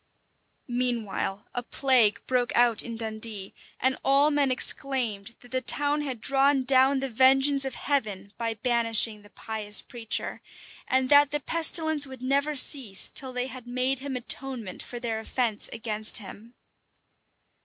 Meanwhile, a plague broke out in Dundee; and all men exclaimed, that the town had drawn down the vengeance of Heaven by banishing the pious preacher, and that the pestilence would never cease, till they bed made him atonement for their offence against him.